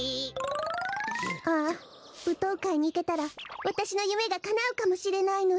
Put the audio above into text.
ああぶとうかいにでたらわたしのゆめがかなうかもしれないのに。